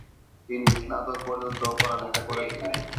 তিনি স্নাতক পর্যন্ত পড়ালেখা করেছিলেন।